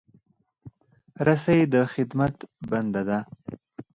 رسۍ د خدمت بنده ده.